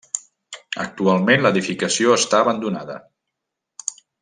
Actualment l'edificació està abandonada.